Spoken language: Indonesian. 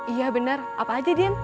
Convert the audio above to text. iya bener apa aja din